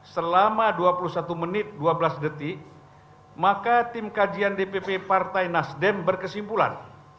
selama dua puluh satu menit dua belas detik maka tim kajian dpp partai nasdem berkesimpulan